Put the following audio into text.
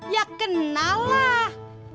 ya kenal lah